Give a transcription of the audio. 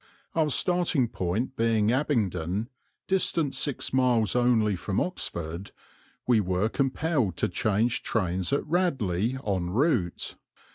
Our starting point being Abingdon, distant six miles only from Oxford, we were compelled to change trains at Radley en route.